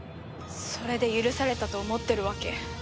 それで許されたと思ってるわけ？